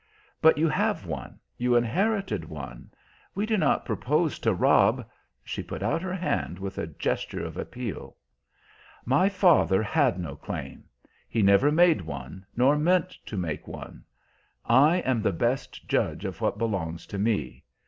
"But you have one. You inherited one. We do not propose to rob" She put out her hand with a gesture of appeal. "My father had no claim. He never made one, nor meant to make one. I am the best judge of what belongs to me.